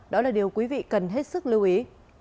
đó là điều quý vị cần hết sức lưu ý